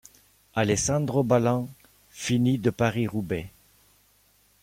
Alessandro Ballan fini de Paris-Roubaix.